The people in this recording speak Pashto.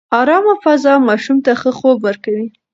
ارامه فضا ماشوم ته ښه خوب ورکوي.